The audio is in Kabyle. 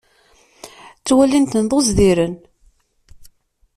Ttwalin-ten d uẓdiren.